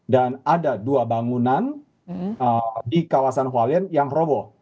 dan ada dua bangunan di kawasan hualien yang robo